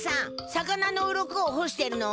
魚のうろこをほしてるのか？